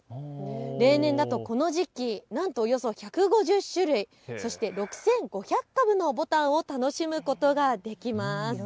例年だとこの時期なんとおよそ１５０種類、そして６５００株のぼたんを楽しむことができます。